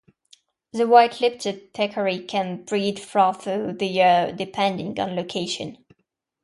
The white-lipped peccary can breed throughout the year depending on location.